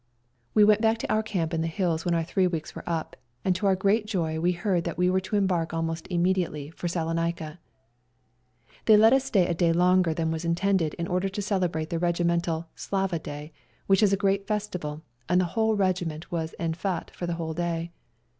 We went back to our camp in the hills when our three weeks were up, and to oiu* great joy we heard that we were to embark almost immediately for Salonica. They let us stay a day longer than was intended in order to celebrate the regi mental " Slava day," which is a great festival, and the whole regiment w^as en fete for the whole day.